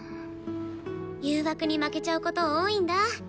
誘惑に負けちゃうこと多いんだ。